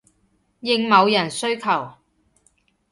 應某人需求